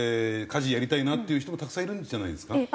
家事やりたいなっていう人もたくさんいるんじゃないですか？